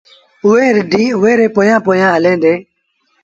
ائيٚݩٚ رڍينٚ اُئي ري پويآنٚ پويآنٚ هلينٚ دينٚ